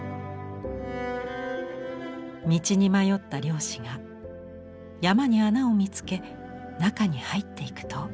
道に迷った漁師が山に穴を見つけ中に入っていくと。